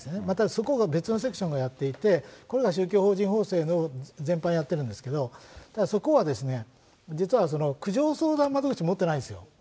そこが別のセクションがやっていて、これが宗教法人法制の全般やってるんですけれども、そこは実は、苦情相談窓口、持ってないんですよ。